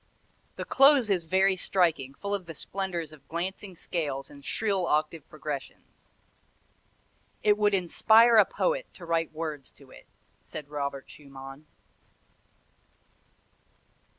The close is very striking, full of the splendors of glancing scales and shrill octave progressions. "It would inspire a poet to write words to it," said Robert Schumann.